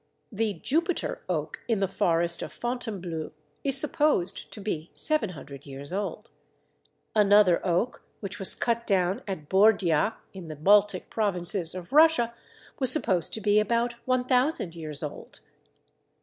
The "Jupiter" oak in the forest of Fontainebleau is supposed to be 700 years old. Another oak which was cut down at Bordya, in the Baltic provinces of Russia, was supposed to be about 1000 years old.